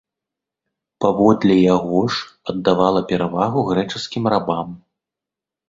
Паводле яго ж, аддавала перавагу грэчаскім рабам.